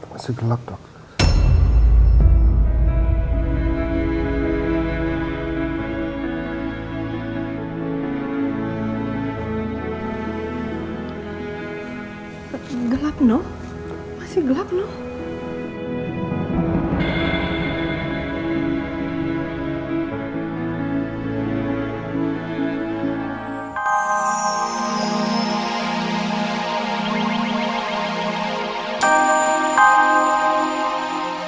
bagaimana kabungan yang terjadi